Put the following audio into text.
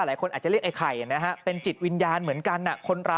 หลังจากพบศพผู้หญิงปริศนาตายตรงนี้ครับ